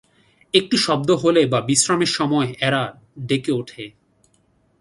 একটু শব্দ হলে বা বিশ্রামের সময়ে এরা ডেকে ওঠে।